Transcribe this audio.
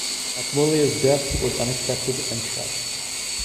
Akmulla’s death was unexpected and tragic.